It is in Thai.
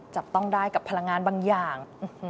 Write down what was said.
จับต้องได้กับพลังงานบางอย่าง